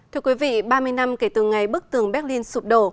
thưa quý vị ba mươi năm kể từ ngày bức tường berlin sụp đổ